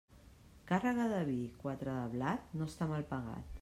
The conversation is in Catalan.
Càrrega de vi, quatre de blat, no està mal pagat.